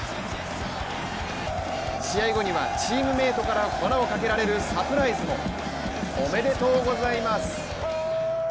試合後にはチームメートから粉をかけられるサプライズも。おめでとうございます！